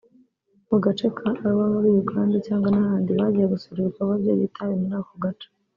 mu gace ka Arua muri Uganda cyangwa n’ahandi bagiye gusura ibikorwa bye by’itabi muri ako gace